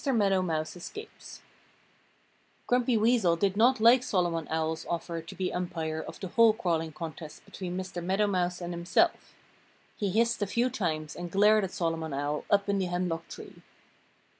MEADOW MOUSE ESCAPES Grumpy Weasel did not like Solomon Owl's offer to be umpire of the hole crawling contest between Mr. Meadow Mouse and himself. He hissed a few times and glared at Solomon Owl, up in the hemlock tree.